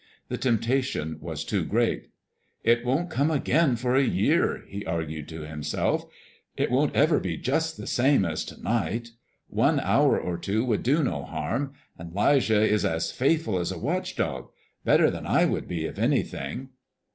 The temptation was too great. "It won't come again for a year," he argued to himself; "it won't ever be just the same as to night. One hour or two would do no harm, and 'Lijah is as faithful as a watch dog better than I would be, if anything."